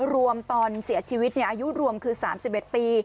รวมตอนเสียชีวิตอายุรวมคือ๓๑ปี